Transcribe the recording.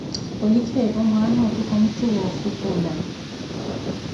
Olikha epo, mwaana otu khancuya ofupula.